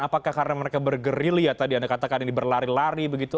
apakah karena mereka bergerilya tadi anda katakan ini berlari lari begitu